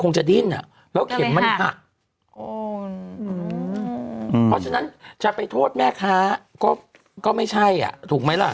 เพราะฉะนั้นจะไปโทษแม่ค้าก็ไม่ใช่อ่ะถูกไหมล่ะ